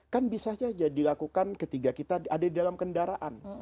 kan bisa saja dilakukan ketika kita ada di dalam kendaraan